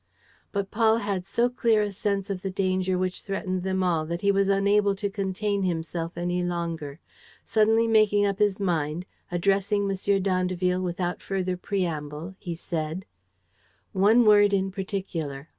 But Paul had so clear a sense of the danger which threatened them all that he was unable to contain himself any longer. Suddenly making up his mind, addressing M. d'Andeville without further preamble, he said: "One word in particular. ..